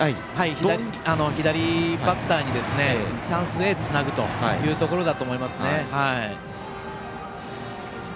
左バッターにチャンスでつなぐというところだと思います。